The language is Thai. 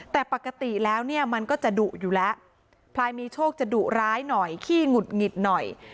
แต่ปกติแล้วเนี่ยมันก็จะดุอยู่แล้วพลายมีโชคจะดุร้ายหน่อยขี้หงุดหงิดหน่อย